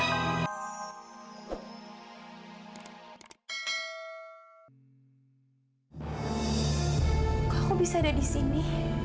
aku bisa ada di sini